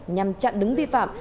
nhằm chặn đứng vi phạm